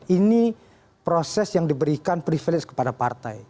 ini proses yang diberikan privilege kepada partai